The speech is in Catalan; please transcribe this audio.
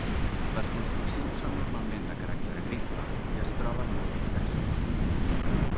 Les construccions són normalment de caràcter agrícola i es troben molt disperses.